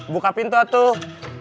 buka pintu atuh